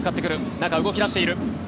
中、動き出している。